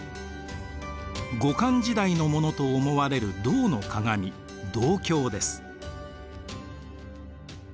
後漢時代のものと思われる銅の鏡銅鏡です。